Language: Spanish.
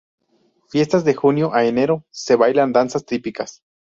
Fiestas de junio a enero; se bailan danzas típicas.